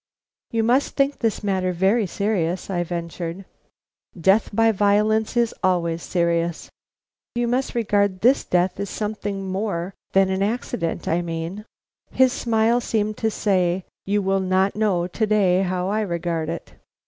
"You must think this matter very serious," I ventured. "Death by violence is always serious." "You must regard this death as something more than an accident, I mean." His smile seemed to say: "You will not know to day how I regard it."